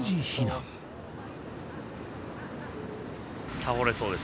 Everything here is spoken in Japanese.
倒れそうです。